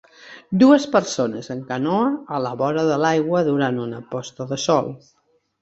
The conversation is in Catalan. Dues persones en canoa a la vora de l'aigua durant una posta de sol.